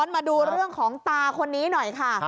มาดูเรื่องของตาคนนี้หน่อยค่ะ